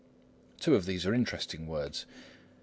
Two of these are interesting words.